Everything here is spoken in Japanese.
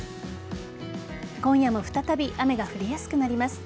今夜も再び雨が降りやすくなります。